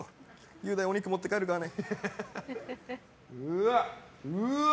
雄大、お肉持って帰るからね。